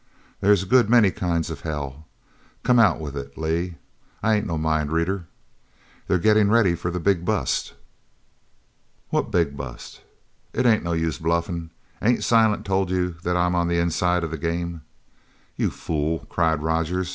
"There's a good many kinds of hell. Come out with it, Lee. I ain't no mind reader." "They're gettin' ready for the big bust!" "What big bust?" "It ain't no use bluffin'. Ain't Silent told you that I'm on the inside of the game?" "You fool!" cried Rogers.